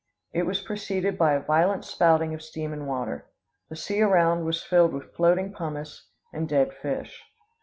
It was preceded by a violent spouting of steam and water. The sea around was filled with floating pumice and dead fish.